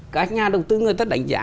các nhà đầu tư người ta đánh giá